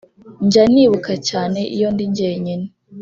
njya nibuka cyane iyo ndi jyenyine